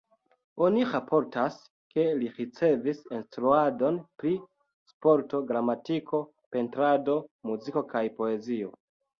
Oni raportas, ke li ricevis instruadon pri sporto, gramatiko, pentrado, muziko kaj poezio.